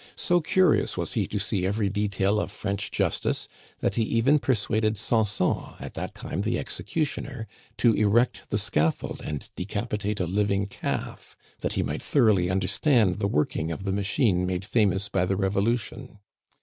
So curious was he to see every detail of French justice, that he even persuaded Sanson, at that time the executioner, to erect the scaffold and decapitate a living calf, that he might thoroughly understand the working of the machine made famous by the Revolution.